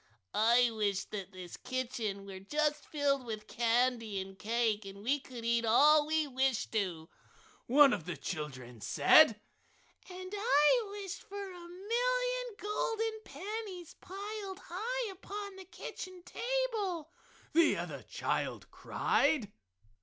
"I wish that this kitchen were just filled with candy and cake, then we could eat all we wish to!" one of the children said. "And I wish for a million golden pennies piled high upon the kitchen table!" the other child cried.